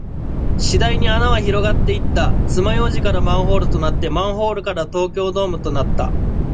次第に穴は広がっていった。爪楊枝からマンホールとなって、マンホールから東京ドームとなった。